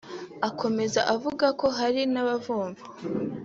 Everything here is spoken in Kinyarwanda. Akomeza avuga ko hari n’abavumvu